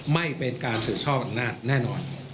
ไม่เป็นการสืบทอดอำนาจแน่นอน